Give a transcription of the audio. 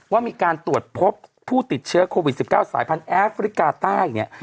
ว่ามีการตรวจพบผู้ติดเชื้อโควิด๑๙สายพันธุแอฟริกาใต้เนี่ย